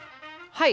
はい！